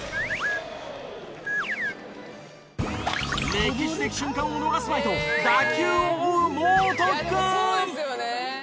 歴史的瞬間を逃すまいと打球を追う猛特訓！